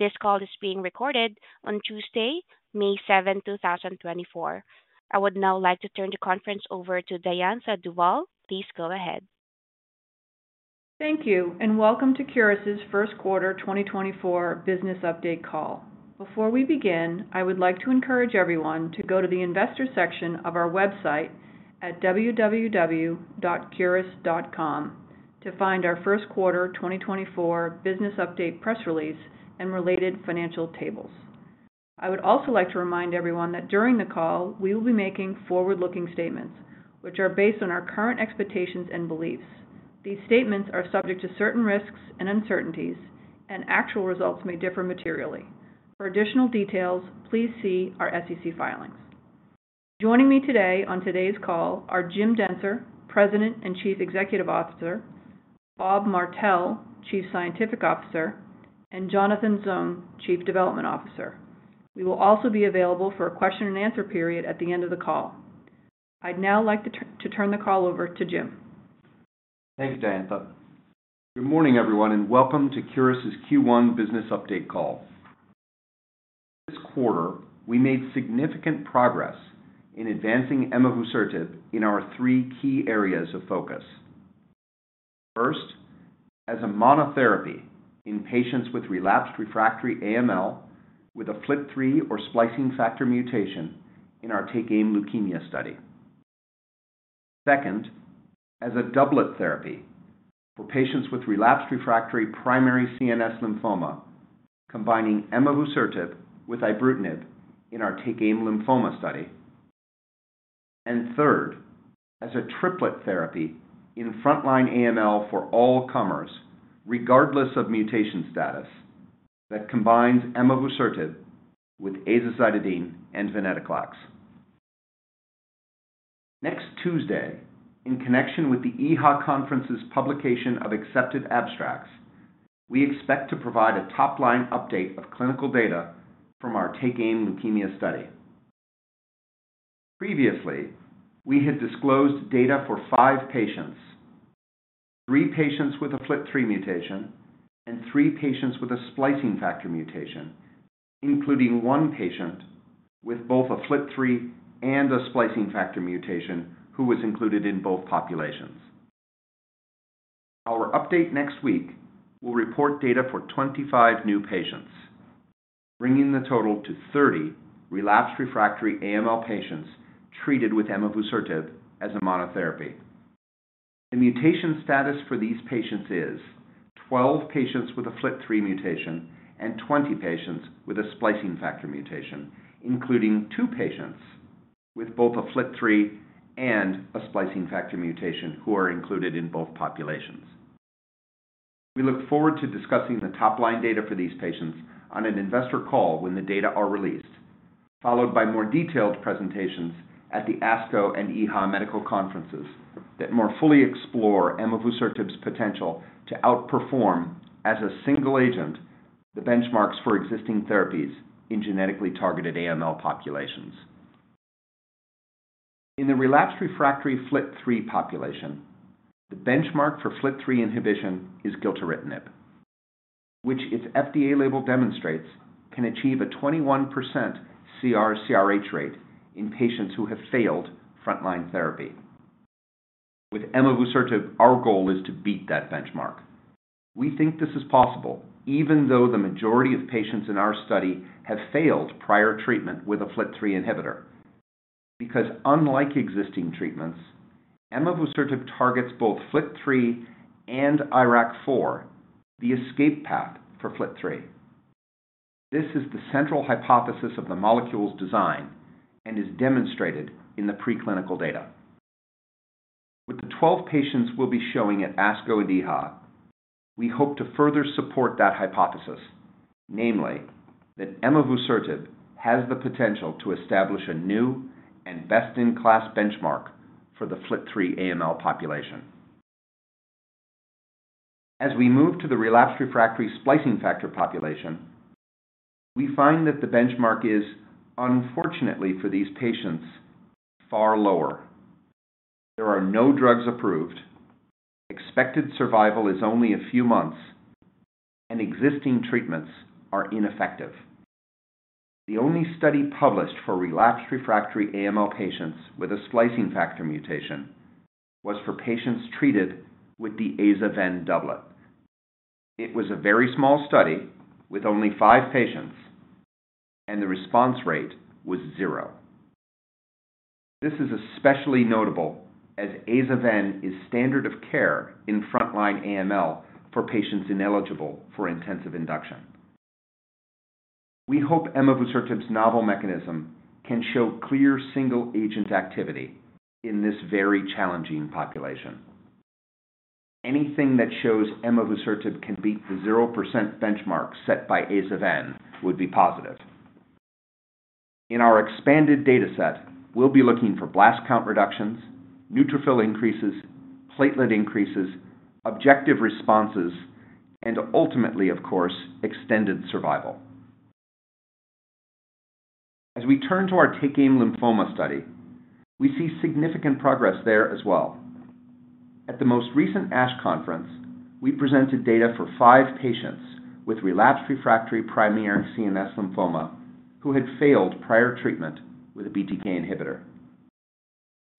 This call is being recorded on Tuesday, 7th May, 2024. I would now like to turn the conference over to Diantha Duvall. Please go ahead. Thank you, and welcome to Curis's first quarter 2024 business update call. Before we begin, I would like to encourage everyone to go to the investor section of our website at www.curis.com to find our first quarter 2024 business update press release and related financial tables. I would also like to remind everyone that during the call, we will be making forward-looking statements, which are based on our current expectations and beliefs. These statements are subject to certain risks and uncertainties, and actual results may differ materially. For additional details, please see our SEC filings. Joining me today on today's call are Jim Dentzer, President and Chief Executive Officer, Bob Martell, Chief Scientific Officer, and Jonathan Zung, Chief Development Officer. We will also be available for a question and answer period at the end of the call. I'd now like to turn the call over to Jim. Thanks, Diantha. Good morning, everyone, and welcome to Curis's Q1 business update call. This quarter, we made significant progress in advancing emavusertib in our three key areas of focus. First, as a monotherapy in patients with relapsed refractory AML with a FLT3 or splicing factor mutation in our TakeAim Leukemia study. Second, as a doublet therapy for patients with relapsed refractory primary CNS lymphoma, combining emavusertib with ibrutinib in our TakeAim Lymphoma study. And third, as a triplet therapy in frontline AML for all comers, regardless of mutation status, that combines emavusertib with azacitidine and venetoclax. Next Tuesday, in connection with the EHA conference's publication of accepted abstracts, we expect to provide a top-line update of clinical data from our TakeAim Leukemia study. Previously, we had disclosed data for five patients, three patients with a FLT3 mutation and three patients with a splicing factor mutation, including one patient with both a FLT3 and a splicing factor mutation, who was included in both populations. Our update next week will report data for 25 new patients, bringing the total to 30 relapsed refractory AML patients treated with emavusertib as a monotherapy. The mutation status for these patients is 12 patients with a FLT3 mutation and 20 patients with a splicing factor mutation, including two patients with both a FLT3 and a splicing factor mutation, who are included in both populations. We look forward to discussing the top-line data for these patients on an investor call when the data are released, followed by more detailed presentations at the ASCO and EHA medical conferences that more fully explore emavusertib's potential to outperform, as a single agent, the benchmarks for existing therapies in genetically targeted AML populations. In the relapsed refractory FLT3 population, the benchmark for FLT3 inhibition is gilteritinib, which its FDA label demonstrates can achieve a 21% CR/CRh rate in patients who have failed frontline therapy. With emavusertib, our goal is to beat that benchmark. We think this is possible, even though the majority of patients in our study have failed prior treatment with a FLT3 inhibitor. Because unlike existing treatments, emavusertib targets both FLT3 and IRAK4, the escape path for FLT3. This is the central hypothesis of the molecule's design and is demonstrated in the preclinical data. With the 12 patients we'll be showing at ASCO and EHA, we hope to further support that hypothesis, namely, that emavusertib has the potential to establish a new and best-in-class benchmark for the FLT3 AML population. As we move to the relapsed refractory splicing factor population, we find that the benchmark is, unfortunately for these patients, far lower. There are no drugs approved, expected survival is only a few months, and existing treatments are ineffective. The only study published for relapsed refractory AML patients with a splicing factor mutation was for patients treated with the Azaven doublet. It was a very small study with only five patients, and the response rate was zero. This is especially notable as Azaven is standard of care in frontline AML for patients ineligible for intensive induction. We hope emavusertib's novel mechanism can show clear single-agent activity in this very challenging population. Anything that shows emavusertib can beat the 0% benchmark set by Azaven would be positive. In our expanded data set, we'll be looking for blast count reductions, neutrophil increases, platelet increases, objective responses, and ultimately, of course, extended survival. As we turn to our TakeAim Lymphoma study, we see significant progress there as well. At the most recent ASH conference, we presented data for five patients with relapsed refractory primary CNS lymphoma, who had failed prior treatment with a BTK inhibitor.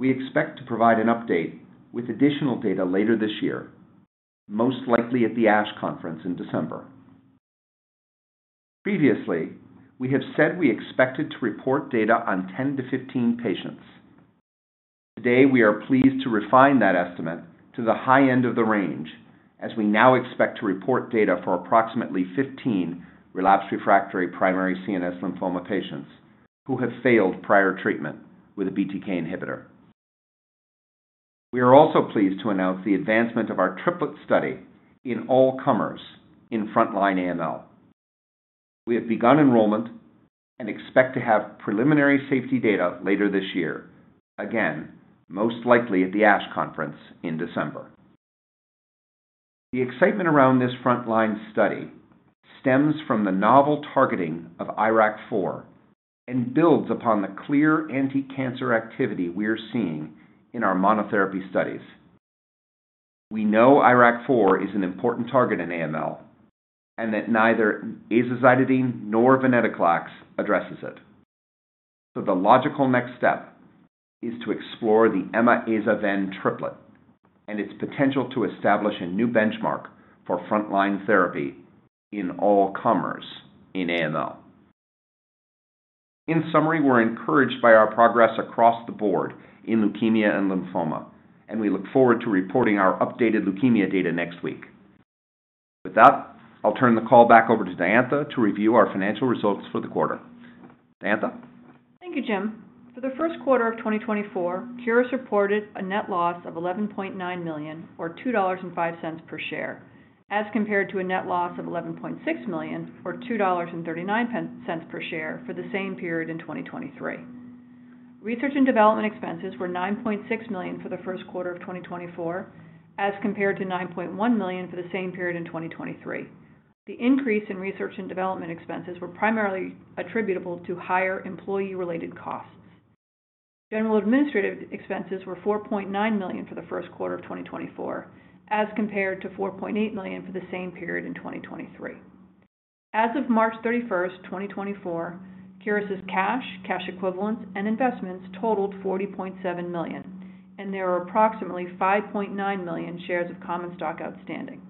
We expect to provide an update with additional data later this year, most likely at the ASH conference in December. Previously, we have said we expected to report data on 10-15 patients. Today, we are pleased to refine that estimate to the high end of the range, as we now expect to report data for approximately 15 relapsed refractory primary CNS lymphoma patients, who have failed prior treatment with a BTK inhibitor. We are also pleased to announce the advancement of our triplet study in all comers in frontline AML. We have begun enrollment and expect to have preliminary safety data later this year. Again, most likely at the ASH conference in December. The excitement around this frontline study stems from the novel targeting of IRAK4 and builds upon the clear anticancer activity we are seeing in our monotherapy studies. We know IRAK4 is an important target in AML and that neither azacitidine nor venetoclax addresses it. So the logical next step is to explore the ema-aza-ven triplet and its potential to establish a new benchmark for frontline therapy in all comers in AML. In summary, we're encouraged by our progress across the board in leukemia and lymphoma, and we look forward to reporting our updated leukemia data next week. With that, I'll turn the call back over to Diantha to review our financial results for the quarter. Diantha? Thank you, Jim. For the first quarter of 2024, Curis reported a net loss of $11.9 million, or $2.05 per share, as compared to a net loss of $11.6 million, or $2.39 per share for the same period in 2023. Research and development expenses were $9.6 million for the first quarter of 2024, as compared to $9.1 million for the same period in 2023. The increase in research and development expenses were primarily attributable to higher employee-related costs. General administrative expenses were $4.9 million for the first quarter of 2024, as compared to $4.8 million for the same period in 2023. As of 31st March, 2024, Curis's cash, cash equivalents, and investments totaled $40.7 million, and there are approximately 5.9 million shares of common stock outstanding.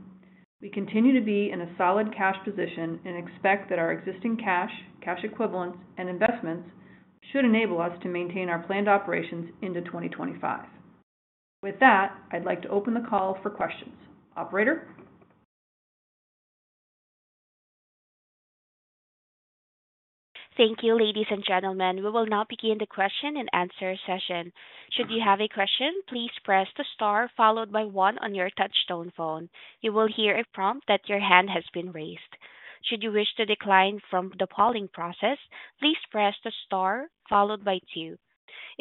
We continue to be in a solid cash position and expect that our existing cash, cash equivalents, and investments should enable us to maintain our planned operations into 2025. With that, I'd like to open the call for questions. Operator? Thank you, ladies and gentlemen. We will now begin the question and answer session. Should you have a question, please press the star followed by one on your touchtone phone. You will hear a prompt that your hand has been raised. Should you wish to decline from the polling process, please press the star followed by two.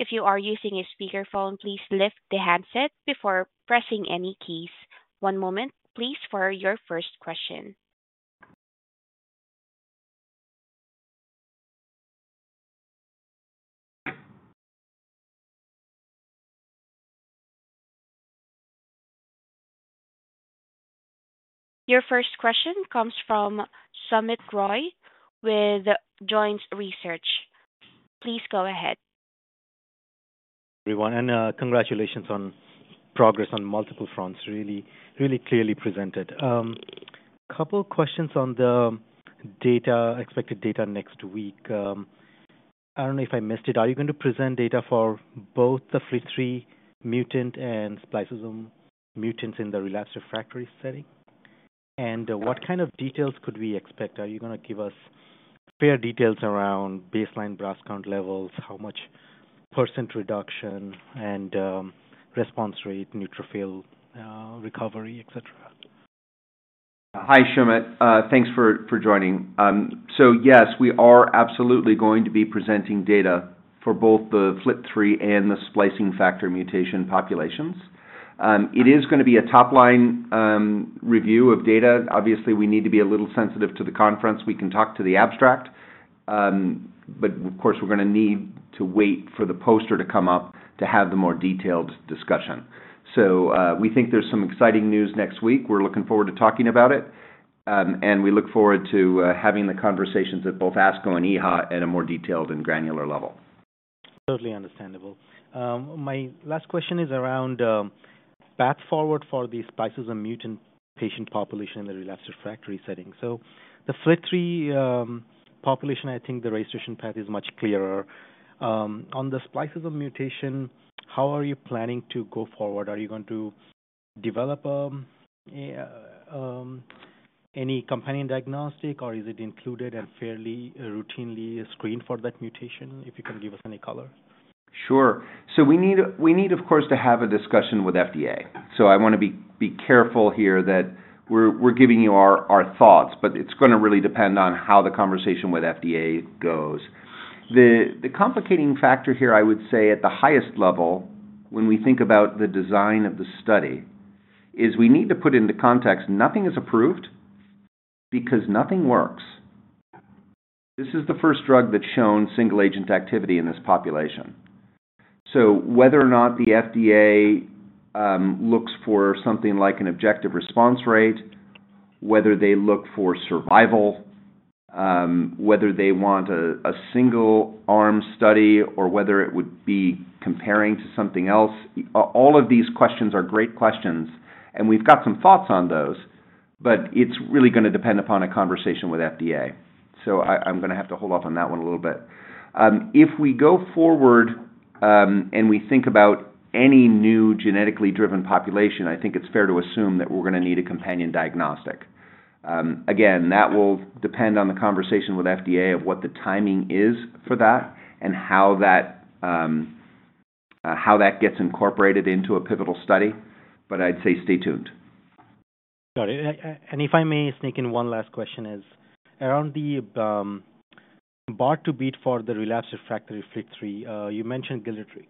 If you are using a speakerphone, please lift the handset before pressing any keys. One moment, please, for your first question. Your first question comes from Soumit Roy with Jones Research. Please go ahead. Everyone, and congratulations on progress on multiple fronts. Really, really clearly presented. A couple questions on the data, expected data next week. I don't know if I missed it, are you going to present data for both the FLT3 mutant and splicing mutants in the relapsed refractory setting? And what kind of details could we expect? Are you gonna give us fair details around baseline blast count levels, how much % reduction and, response rate, neutrophil recovery, et cetera? Hi, Soumit. Thanks for joining. So yes, we are absolutely going to be presenting data for both the FLT3 and the splicing factor mutation populations. It is gonna be a top line review of data. Obviously, we need to be a little sensitive to the conference. We can talk to the abstract, but of course, we're gonna need to wait for the poster to come up to have the more detailed discussion. So, we think there's some exciting news next week. We're looking forward to talking about it, and we look forward to having the conversations at both ASCO and EHA at a more detailed and granular level. Totally understandable. My last question is around path forward for the splicing mutant patient population in the relapsed refractory setting. So the FLT3 population, I think the registration path is much clearer. On the splicing mutation, how are you planning to go forward? Are you going to develop any companion diagnostic, or is it included and fairly routinely screened for that mutation? If you can give us any color. Sure. So we need, of course, to have a discussion with FDA. So I want to be careful here that we're giving you our thoughts, but it's gonna really depend on how the conversation with FDA goes. The complicating factor here, I would say, at the highest level, when we think about the design of the study, is we need to put into context nothing is approved.... Because nothing works. This is the first drug that's shown single agent activity in this population. So whether or not the FDA looks for something like an objective response rate, whether they look for survival, whether they want a single arm study or whether it would be comparing to something else, all of these questions are great questions, and we've got some thoughts on those, but it's really gonna depend upon a conversation with FDA. So I, I'm gonna have to hold off on that one a little bit. If we go forward, and we think about any new genetically driven population, I think it's fair to assume that we're gonna need a companion diagnostic. Again, that will depend on the conversation with FDA of what the timing is for that and how that gets incorporated into a pivotal study. But I'd say stay tuned. Got it. And if I may sneak in one last question, is around the bar to beat for the relapsed refractory FLT3, you mentioned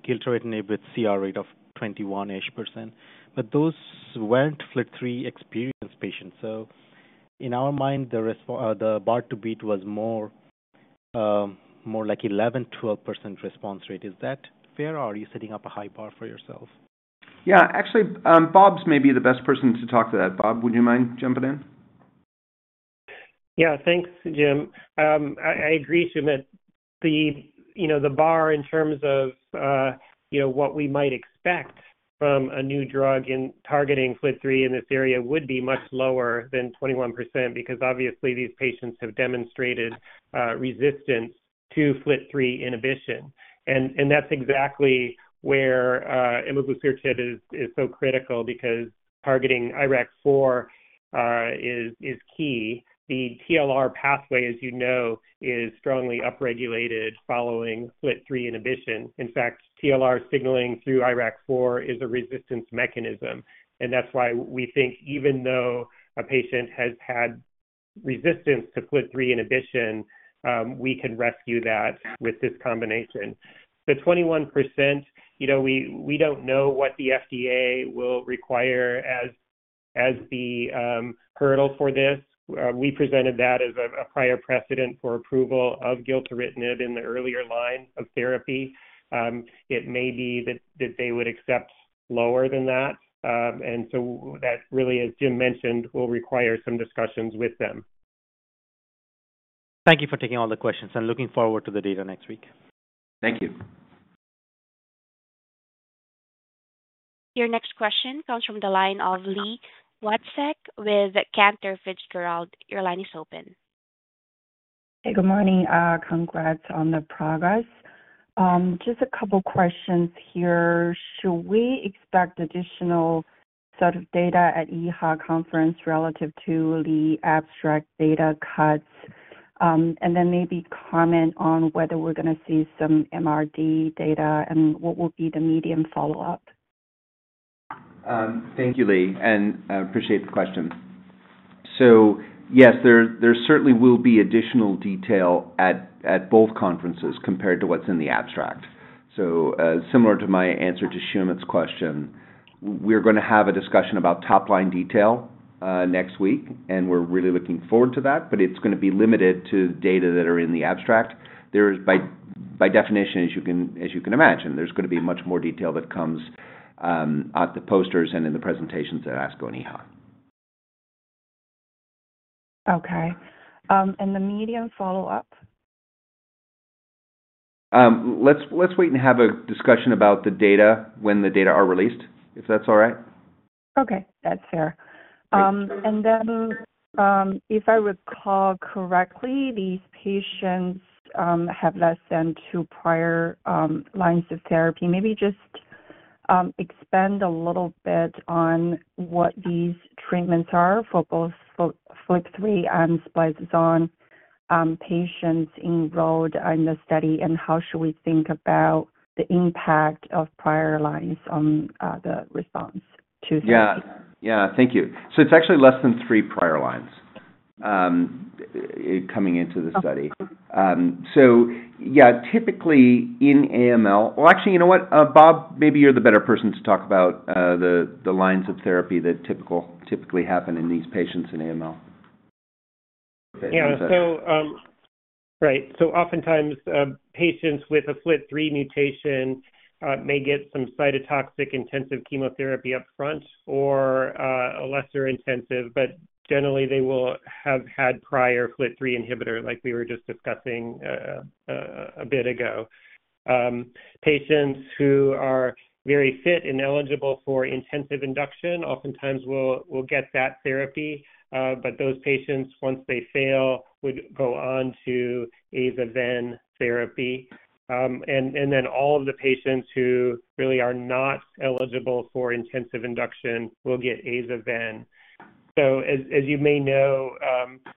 gilteritinib with CR rate of 21-ish%, but those weren't FLT3-experienced patients. So in our mind, the bar to beat was more like 11, 12% response rate. Is that fair, or are you setting up a high bar for yourself? Yeah, actually, Bob's maybe the best person to talk to that. Bob, would you mind jumping in? Yeah, thanks, Jim. I agree, Sumit. You know, the bar in terms of, you know, what we might expect from a new drug in targeting FLT3 in this area would be much lower than 21% because obviously, these patients have demonstrated resistance to FLT3 inhibition. And that's exactly where emavusertib is so critical because targeting IRAK4 is key. The TLR pathway, as you know, is strongly upregulated following FLT3 inhibition. In fact, TLR signaling through IRAK4 is a resistance mechanism, and that's why we think even though a patient has had resistance to FLT3 inhibition, we can rescue that with this combination. The 21%, you know, we don't know what the FDA will require as the hurdle for this. We presented that as a prior precedent for approval of gilteritinib in the earlier line of therapy. It may be that they would accept lower than that. And so that really, as Jim mentioned, will require some discussions with them. Thank you for taking all the questions. I'm looking forward to the data next week. Thank you. Your next question comes from the line of Li Watsek with Cantor Fitzgerald. Your line is open. Hey, good morning. Congrats on the progress. Just a couple questions here. Should we expect additional set of data at EHA conference relative to the abstract data cuts? And then maybe comment on whether we're gonna see some MRD data and what will be the median follow-up? Thank you, Lee, and I appreciate the question. So yes, there, there certainly will be additional detail at, at both conferences compared to what's in the abstract. So, similar to my answer to Sumit's question, we're gonna have a discussion about top-line detail, next week, and we're really looking forward to that, but it's gonna be limited to data that are in the abstract. There is by, by definition, as you can, as you can imagine, there's gonna be much more detail that comes, at the posters and in the presentations at ASCO and EHA. Okay. And the median follow-up? Let's wait and have a discussion about the data when the data are released, if that's all right. Okay, that's fair. Great. And then, if I recall correctly, these patients have less than two prior lines of therapy. Maybe just expand a little bit on what these treatments are for both FL, FLT3 and splicing patients enrolled in the study, and how should we think about the impact of prior lines on the response to this? Yeah. Yeah, thank you. So it's actually less than three prior lines coming into the study. Okay. So yeah, typically in AML... Well, actually, you know what? Bob, maybe you're the better person to talk about the lines of therapy that typically happen in these patients in AML. Yeah, so, right. So oftentimes, patients with a FLT3 mutation may get some cytotoxic intensive chemotherapy upfront or a lesser intensive, but generally, they will have had prior FLT3 inhibitor, like we were just discussing, a bit ago. Patients who are very fit and eligible for intensive induction oftentimes will get that therapy, but those patients, once they fail, would go on to Azacitidine therapy. And then all of the patients who really are not eligible for intensive induction will get Azacitidine. So as you may know,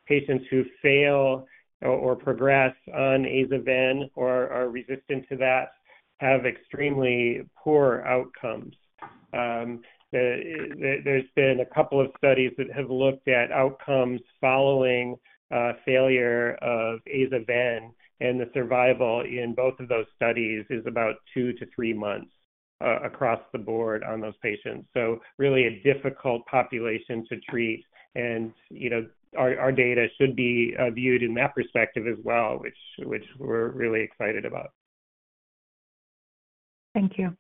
patients who fail or progress on Azacitidine or are resistant to that have extremely poor outcomes. There's been a couple of studies that have looked at outcomes following failure of Azacitidine, and the survival in both of those studies is about two to three months. across the board on those patients. So really a difficult population to treat. And, you know, our data should be viewed in that perspective as well, which we're really excited about. Thank you.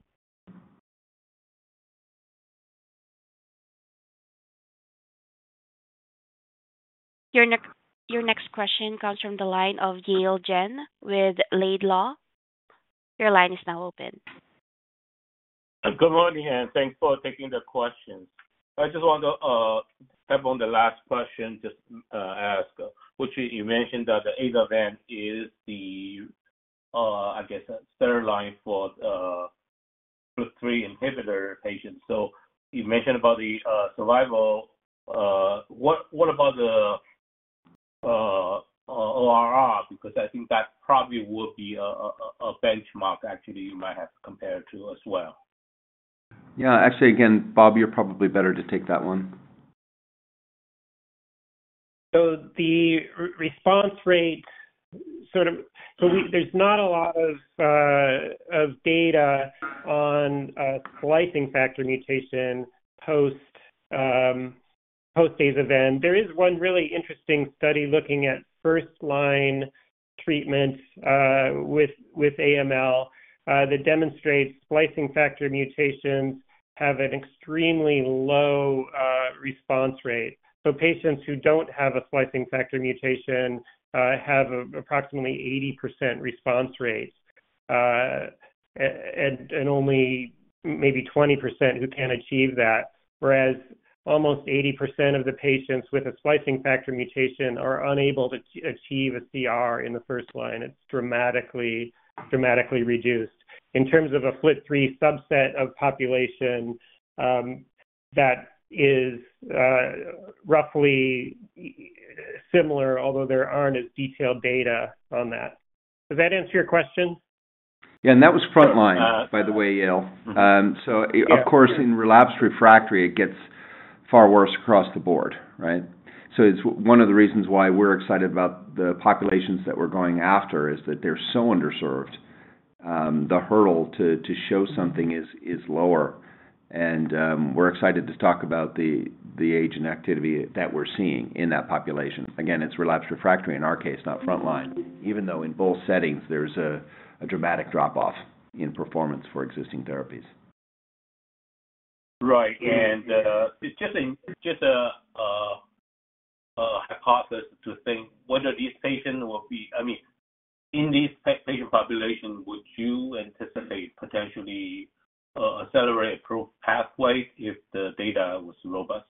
Your next question comes from the line of Yale Jen with Laidlaw. Your line is now open. Good morning, and thanks for taking the questions. I just want to tap on the last question, just ask, which is, you mentioned that the Azaven is the, I guess, third line for FLT3 inhibitor patients. So you mentioned about the survival. What, what about the ORR? Because I think that probably would be a benchmark actually you might have to compare it to as well. Yeah. Actually, again, Bob, you're probably better to take that one. So the response rate. So there's not a lot of data on splicing factor mutation post post-Azaven. There is one really interesting study looking at first-line treatments with AML that demonstrates splicing factor mutations have an extremely low response rate. So patients who don't have a splicing factor mutation have approximately 80% response rates, and only maybe 20% who can achieve that, whereas almost 80% of the patients with a splicing factor mutation are unable to achieve a CR in the first line. It's dramatically, dramatically reduced. In terms of a FLT3 subset of population, that is roughly similar, although there aren't as detailed data on that. Does that answer your question? Yeah, and that was frontline, by the way, Yale. Mm-hmm. Um, so- Yeah. Of course, in relapsed refractory, it gets far worse across the board, right? So it's one of the reasons why we're excited about the populations that we're going after, is that they're so underserved. The hurdle to show something is lower, and we're excited to talk about the age and activity that we're seeing in that population. Again, it's relapsed refractory in our case, not frontline, even though in both settings there's a dramatic drop-off in performance for existing therapies. Right. And, it's just a hypothesis to think whether these patients will be... I mean, in these patient population, would you anticipate potentially accelerated approval pathway if the data was robust?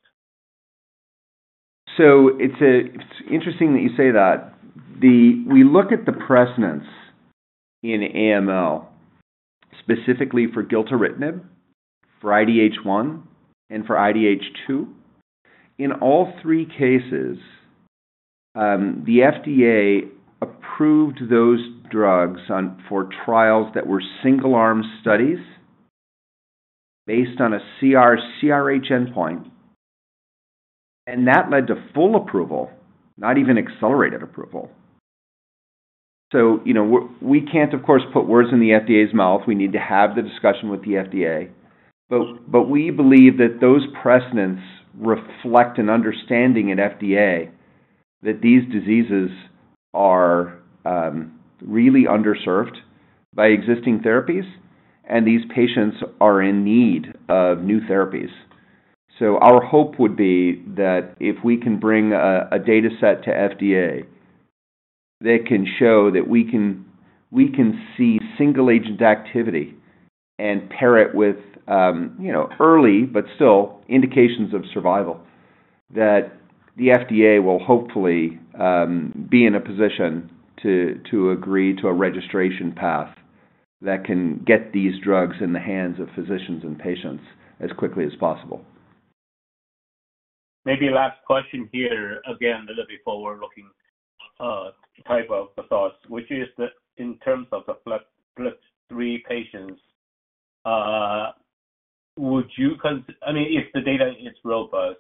So it's interesting that you say that. We look at the precedence in AML, specifically for gilteritinib, for IDH1 and for IDH2. In all three cases, the FDA approved those drugs on, for trials that were single-arm studies based on a CR/CRh endpoint, and that led to full approval, not even accelerated approval. So, you know, we can't, of course, put words in the FDA's mouth. We need to have the discussion with the FDA, but we believe that those precedents reflect an understanding at FDA that these diseases are really underserved by existing therapies, and these patients are in need of new therapies. So our hope would be that if we can bring a data set to FDA that can show that we can see single-agent activity and pair it with, you know, early but still indications of survival, that the FDA will hopefully be in a position to agree to a registration path that can get these drugs in the hands of physicians and patients as quickly as possible. Maybe last question here, again, a little bit forward-looking type of thoughts, which is that in terms of the FLT, FLT3 patients, would you—I mean, if the data is robust,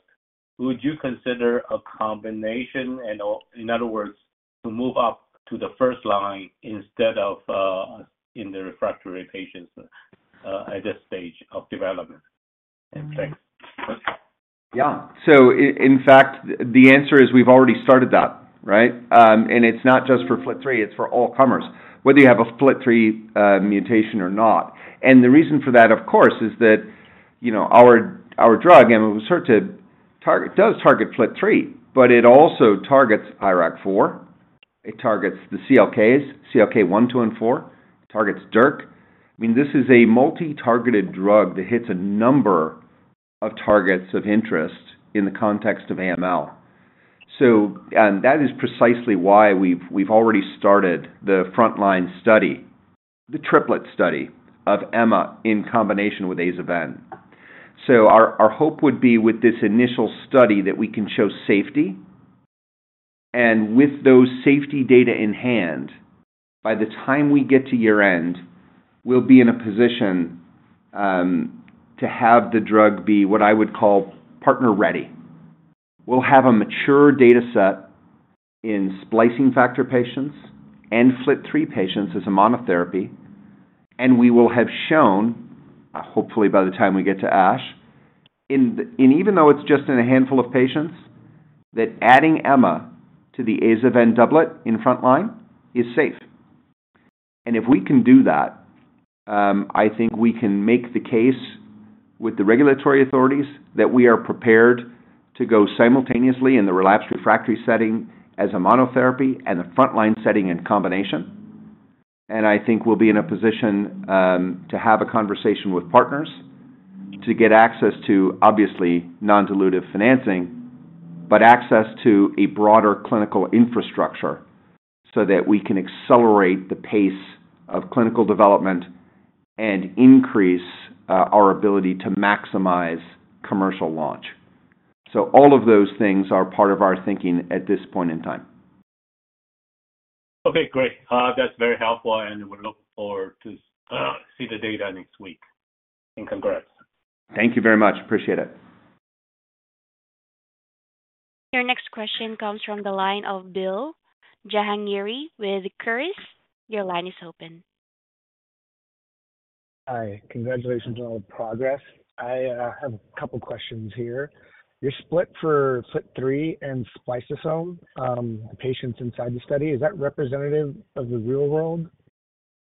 would you consider a combination? And, or in other words, to move up to the first line instead of in the refractory patients at this stage of development? And thanks. Yeah. So in fact, the answer is we've already started that, right? And it's not just for FLT3, it's for all comers, whether you have a FLT3 mutation or not. And the reason for that, of course, is that, you know, our, our drug, emavusertib, does target FLT3, but it also targets IRAK4. It targets the CLKs, CLK1, 2, and 4, targets DYRK. I mean, this is a multi-targeted drug that hits a number of targets of interest in the context of AML. So, and that is precisely why we've, we've already started the frontline study, the triplet study of EMA in combination with Azaven. So our hope would be with this initial study, that we can show safety, and with those safety data in hand, by the time we get to year-end, we'll be in a position to have the drug be what I would call partner-ready. We'll have a mature data set in splicing factor patients and FLT3 patients as a monotherapy, and we will have shown, hopefully by the time we get to ASH, and even though it's just in a handful of patients, that adding ema to the azaven doublet in frontline is safe. And if we can do that, I think we can make the case with the regulatory authorities that we are prepared to go simultaneously in the relapsed refractory setting as a monotherapy and a frontline setting in combination. I think we'll be in a position to have a conversation with partners to get access to, obviously, non-dilutive financing, but access to a broader clinical infrastructure so that we can accelerate the pace of clinical development and increase our ability to maximize commercial launch. All of those things are part of our thinking at this point in time. Okay, great. That's very helpful, and we look forward to see the data next week. Congrats. Thank you very much. Appreciate it. Your next question comes from the line of Billal Jahangiri with Curis. Your line is open. Hi, congratulations on all the progress. I have a couple questions here. Your split for FLT3 and spliceosome patients inside the study, is that representative of the real world?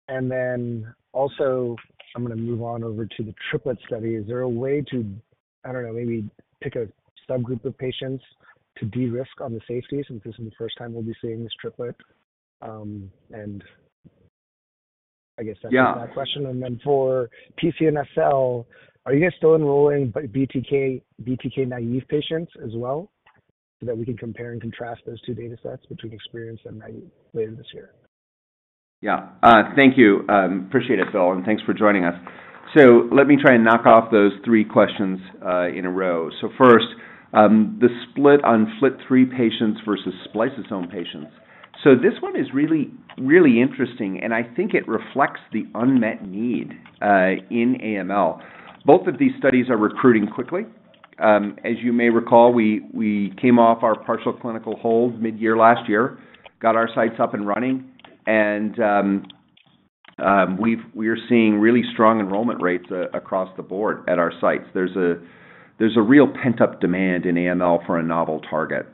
And then also, I'm gonna move on over to the triplet study. Is there a way to, I don't know, maybe pick a subgroup of patients to de-risk on the safeties, since this is the first time we'll be seeing this triplet? And I guess that's- Yeah. My question. And then for PCNSL, are you guys still enrolling by BTK, BTK naive patients as well, so that we can compare and contrast those two data sets between experience and naive later this year? Yeah. Thank you. Appreciate it, Bill, and thanks for joining us. So let me try and knock off those three questions in a row. So first, the split on FLT3 patients versus spliceosome patients. So this one is really, really interesting, and I think it reflects the unmet need in AML. Both of these studies are recruiting quickly. As you may recall, we came off our partial clinical hold mid-year last year, got our sites up and running, and we are seeing really strong enrollment rates across the board at our sites. There's a real pent-up demand in AML for a novel target.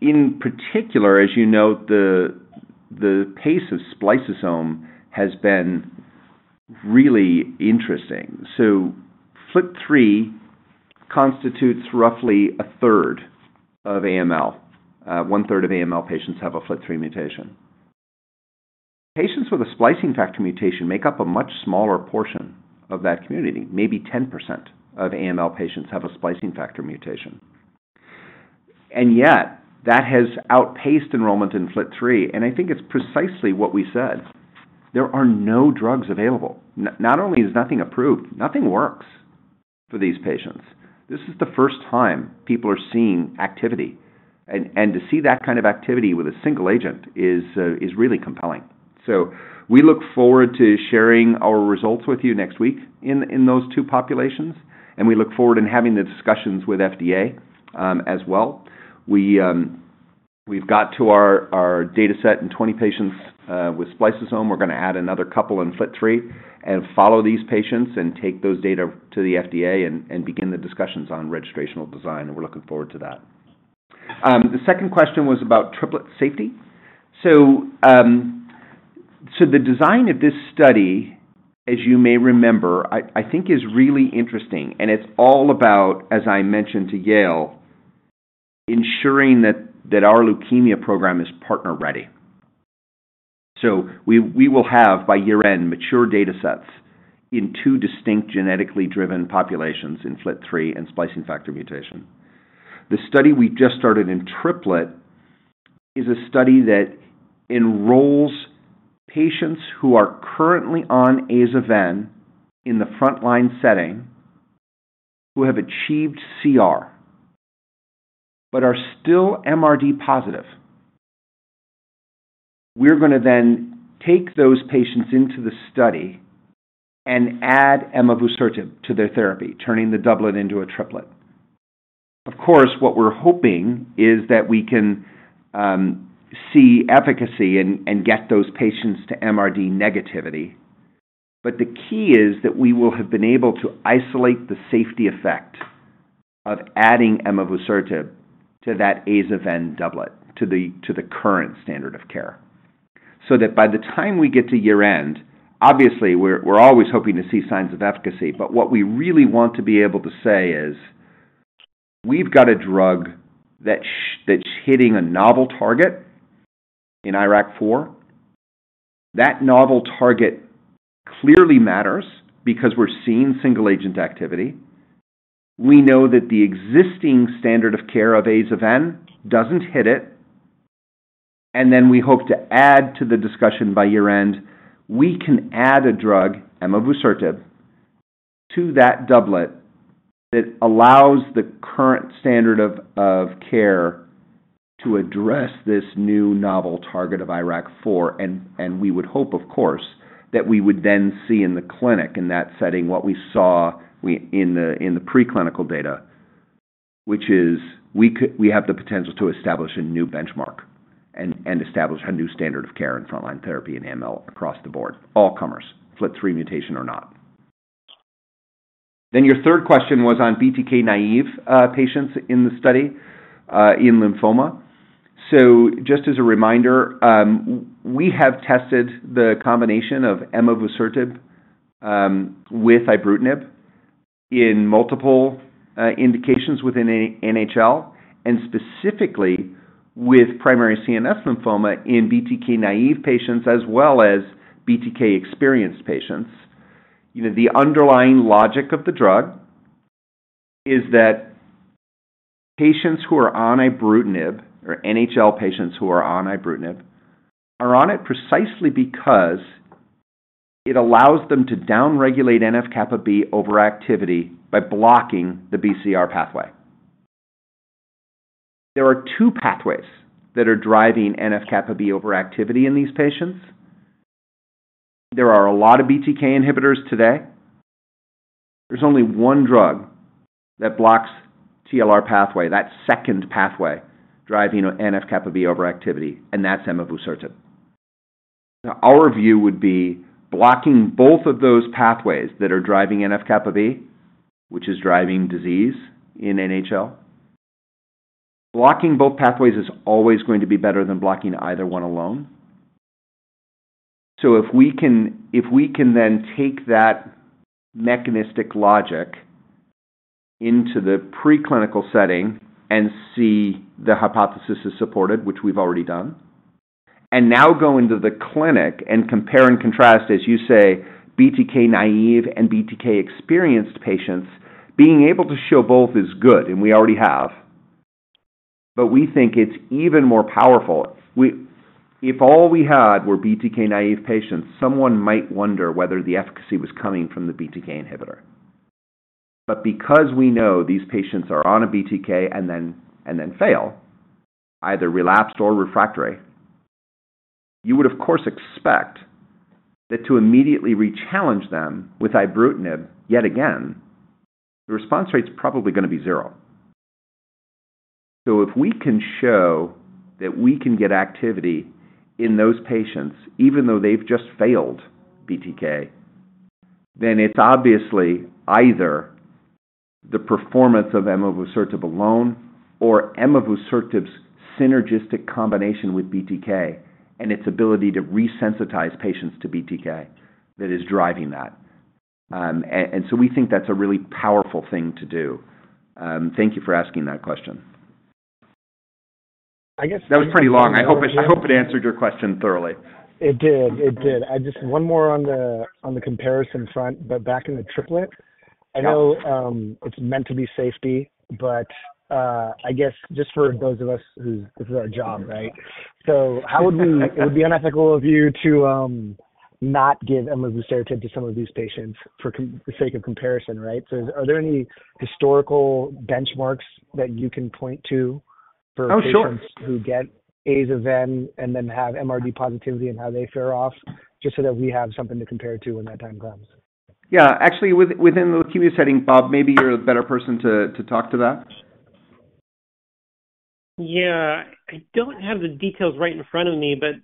In particular, as you note, the pace of spliceosome has been really interesting. So FLT3 constitutes roughly a third of AML. One-third of AML patients have a FLT3 mutation. Patients with a splicing factor mutation make up a much smaller portion of that community. Maybe 10% of AML patients have a splicing factor mutation, and yet that has outpaced enrollment in FLT3, and I think it's precisely what we said: There are no drugs available. Not only is nothing approved, nothing works for these patients. This is the first time people are seeing activity, and to see that kind of activity with a single agent is really compelling. So we look forward to sharing our results with you next week in those two populations, and we look forward to having the discussions with FDA, as well. We've got to our data set in 20 patients with spliceosome. We're gonna add another couple in FLT3 and follow these patients and take those data to the FDA and begin the discussions on registrational design, and we're looking forward to that. The second question was about triplet safety. So, the design of this study, as you may remember, I think is really interesting, and it's all about, as I mentioned to Yale, ensuring that our leukemia program is partner-ready. So we will have, by year-end, mature datasets in two distinct genetically driven populations in FLT3 and splicing factor mutation. The study we just started in triplet is a study that enrolls patients who are currently on Azaven in the frontline setting, who have achieved CR, but are still MRD positive. We're gonna then take those patients into the study and add emavusertib to their therapy, turning the doublet into a triplet. Of course, what we're hoping is that we can see efficacy and get those patients to MRD negativity. But the key is that we will have been able to isolate the safety effect of adding emavusertib to that Azaven doublet, to the current standard of care. So that by the time we get to year-end, obviously, we're always hoping to see signs of efficacy, but what we really want to be able to say is: We've got a drug that's hitting a novel target in IRAK4. That novel target clearly matters because we're seeing single-agent activity. We know that the existing standard of care of Azaven doesn't hit it, and then we hope to add to the discussion by year-end, we can add a drug, emavusertib, to that doublet that allows the current standard of care-... to address this new novel target of IRAK4, and we would hope, of course, that we would then see in the clinic, in that setting, what we saw in the preclinical data, which is we have the potential to establish a new benchmark and establish a new standard of care in frontline therapy and AML across the board, all comers, FLT3 mutation or not. Then your third question was on BTK-naive patients in the study in lymphoma. So just as a reminder, we have tested the combination of emavusertib with ibrutinib in multiple indications within an NHL, and specifically with primary CNS lymphoma in BTK-naive patients, as well as BTK-experienced patients. You know, the underlying logic of the drug is that patients who are on ibrutinib or NHL patients who are on ibrutinib, are on it precisely because it allows them to down-regulate NF-kappa B overactivity by blocking the BCR pathway. There are two pathways that are driving NF-kappa B overactivity in these patients. There are a lot of BTK inhibitors today. There's only one drug that blocks TLR pathway, that second pathway, driving NF-kappa B overactivity, and that's emavusertib. Now, our view would be blocking both of those pathways that are driving NF-kappa B, which is driving disease in NHL. Blocking both pathways is always going to be better than blocking either one alone. So if we can then take that mechanistic logic into the preclinical setting and see the hypothesis is supported, which we've already done, and now go into the clinic and compare and contrast, as you say, BTK-naive and BTK-experienced patients, being able to show both is good, and we already have, but we think it's even more powerful. We. If all we had were BTK-naive patients, someone might wonder whether the efficacy was coming from the BTK inhibitor. But because we know these patients are on a BTK and then fail, either relapsed or refractory, you would, of course, expect that to immediately rechallenge them with ibrutinib yet again, the response rate is probably gonna be zero. So if we can show that we can get activity in those patients, even though they've just failed BTK, then it's obviously either the performance of emavusertib alone or emavusertib's synergistic combination with BTK and its ability to resensitize patients to BTK that is driving that. And so we think that's a really powerful thing to do. Thank you for asking that question. I guess- That was pretty long. I hope it, I hope it answered your question thoroughly. It did. It did. I just... One more on the comparison front, but back in the triplet. Yeah. I know, it's meant to be safety, but, I guess just for those of us who this is our job, right? So how would we—It would be unethical of you to not give emavusertib to some of these patients for the sake of comparison, right? So are there any historical benchmarks that you can point to for- Oh, sure. patients who get Azaven and then have MRD positivity and how they fare off, just so that we have something to compare it to when that time comes? Yeah. Actually, within the leukemia setting, Bob, maybe you're a better person to talk to that. Yeah. I don't have the details right in front of me, but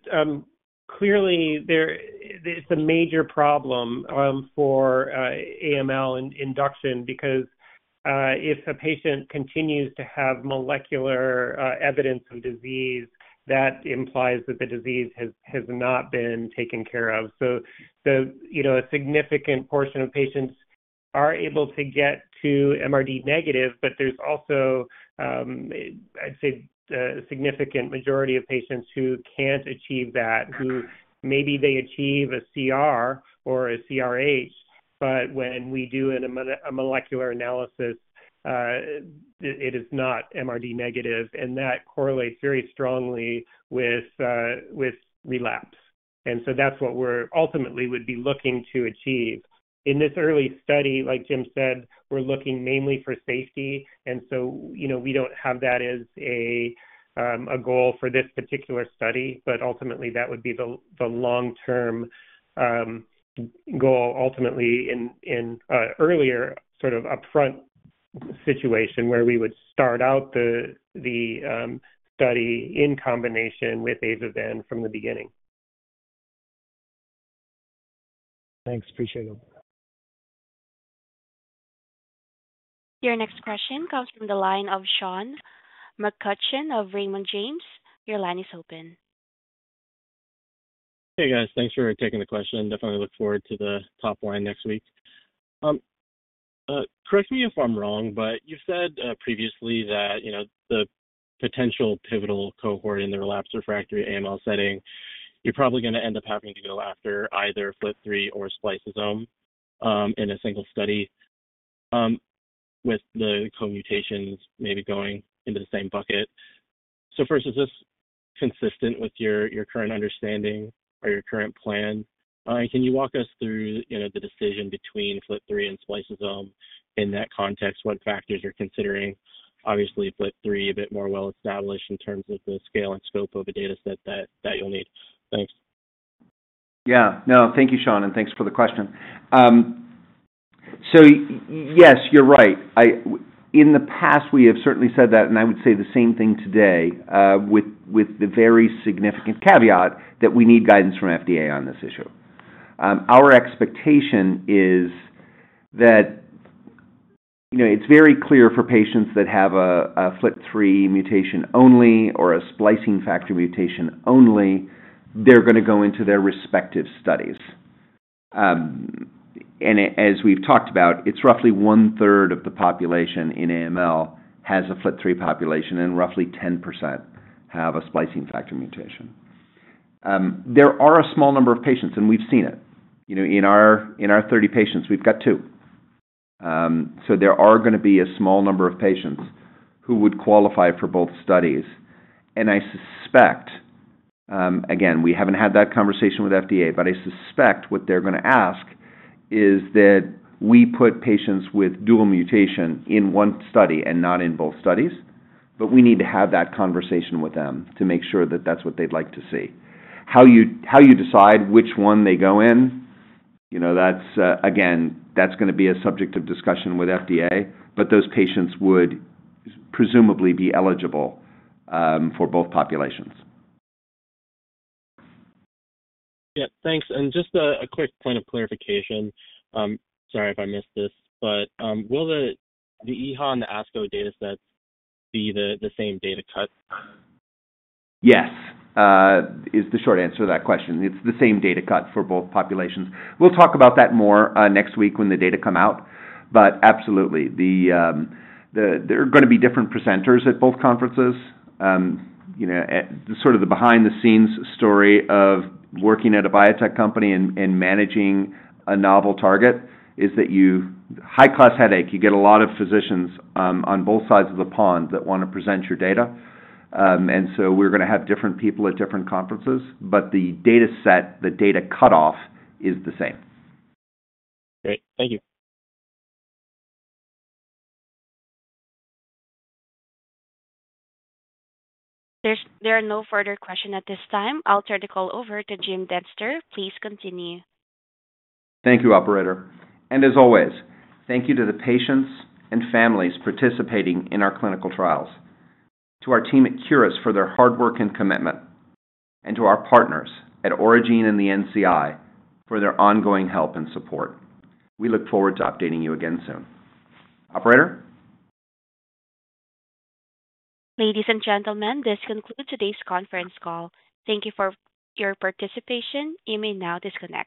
clearly there, it's a major problem for AML and induction because if a patient continues to have molecular evidence of disease, that implies that the disease has not been taken care of. So you know, a significant portion of patients are able to get to MRD negative, but there's also I'd say a significant majority of patients who can't achieve that, who maybe they achieve a CR or a CRh, but when we do a molecular analysis, it is not MRD negative, and that correlates very strongly with relapse. And so that's what we're ultimately would be looking to achieve. In this early study, like Jim said, we're looking mainly for safety, and so, you know, we don't have that as a goal for this particular study, but ultimately that would be the long-term goal, ultimately in earlier, sort of upfront situation, where we would start out the study in combination with Azaven from the beginning. Thanks. Appreciate it. Your next question comes from the line of Sean McCutcheon of Raymond James. Your line is open. Hey, guys. Thanks for taking the question. Definitely look forward to the top line next week. Correct me if I'm wrong, but you've said previously that, you know, the potential pivotal cohort in the relapsed refractory AML setting, you're probably gonna end up having to go after either FLT3 or spliceosome in a single study with the co-mutations maybe going into the same bucket. So first, is this consistent with your current understanding or your current plan? Can you walk us through, you know, the decision between FLT3 and spliceosome in that context? What factors you're considering? Obviously, FLT3 a bit more well-established in terms of the scale and scope of a data set that you'll need. Thanks. Yeah. No, thank you, Sean, and thanks for the question. So yes, you're right. In the past, we have certainly said that, and I would say the same thing today, with the very significant caveat that we need guidance from FDA on this issue. Our expectation is that, you know, it's very clear for patients that have a FLT3 mutation only or a splicing factor mutation only, they're gonna go into their respective studies. And as we've talked about, it's roughly 1/3 of the population in AML has a FLT3 mutation, and roughly 10% have a splicing factor mutation. There are a small number of patients, and we've seen it. You know, in our 30 patients, we've got two. So there are gonna be a small number of patients who would qualify for both studies. And I suspect, again, we haven't had that conversation with FDA, but I suspect what they're gonna ask is that we put patients with dual mutation in one study and not in both studies. But we need to have that conversation with them to make sure that that's what they'd like to see. How you decide which one they go in, you know, that's, again, that's gonna be a subject of discussion with FDA, but those patients would presumably be eligible, for both populations. Yeah, thanks. Just a quick point of clarification. Sorry if I missed this, but will the EHA and the ASCO data sets be the same data cut? Yes, is the short answer to that question. It's the same data cut for both populations. We'll talk about that more, next week when the data come out, but absolutely. The, they're gonna be different presenters at both conferences. You know, sort of the behind-the-scenes story of working at a biotech company and managing a novel target is that you... high-class headache. You get a lot of physicians, on both sides of the pond that wanna present your data. And so we're gonna have different people at different conferences, but the data set, the data cutoff is the same. Great. Thank you. There are no further question at this time. I'll turn the call over to Jim Dentzer. Please continue. Thank you, operator. And as always, thank you to the patients and families participating in our clinical trials, to our team at Curis for their hard work and commitment, and to our partners at Aurigene and the NCI for their ongoing help and support. We look forward to updating you again soon. Operator? Ladies and gentlemen, this concludes today's conference call. Thank you for your participation. You may now disconnect.